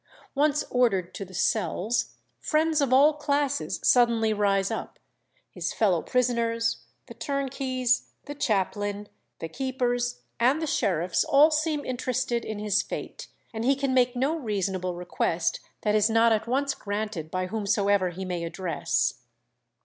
Once ordered to the cells, friends of all classes suddenly rise up; his fellow prisoners, the turnkeys, the chaplain, the keepers, and the sheriffs all seem interested in his fate, and he can make no reasonable request that is not at once granted by whomsoever he may address.